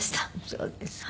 そうですか。